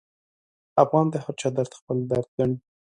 افغان د هرچا درد خپل درد ګڼي.